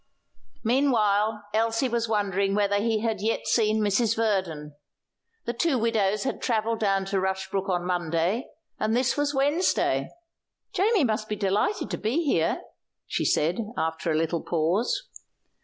Meanwhile Elsie was wondering whether he had yet seen Mrs. Verdon. The two widows had travelled down to Rushbrook on Monday, and this was Wednesday. "Jamie must be delighted to be here," she said after a little pause.